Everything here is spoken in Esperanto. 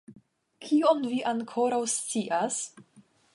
Kion vi ankoraŭ scias?